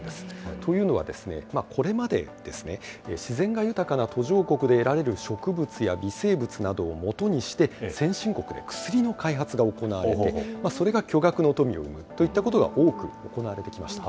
というのは、これまで、自然が豊かな途上国で得られる植物や微生物などを基にして、先進国で薬の開発が行われて、それが巨額の富を生むといったことが多く行われてきました。